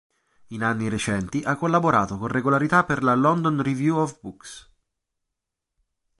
In anni recenti, ha collaborato con regolarità per la "London Review of Books".